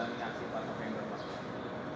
sebagai provokator yang